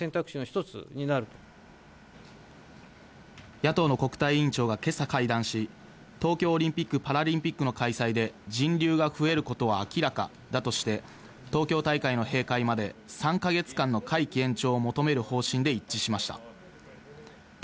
野党の国対委員長が今朝会談し、東京オリンピック・パラリンピックの開催で人流が増えることは明らかだとして、東京大会の閉会まで３か月間の会期延長を求める方針で一致しました。